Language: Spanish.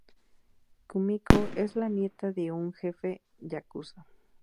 Kumiko es la nieta de un jefe yakuza.